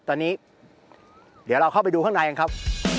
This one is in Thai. ตอนนี้เดี๋ยวเราเข้าไปดูข้างในกันครับ